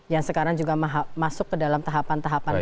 yang sekarang juga masuk ke dalam tahapan tahapan